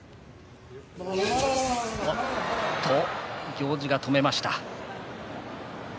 行司が止めました。